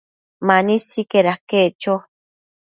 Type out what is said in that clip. Mani sicaid aquec cho